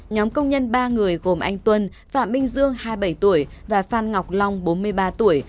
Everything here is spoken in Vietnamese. nhóm công nhân ba người gồm anh tuân phạm minh dương hai mươi bảy tuổi và phan ngọc long bốn mươi ba tuổi